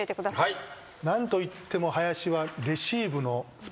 はい。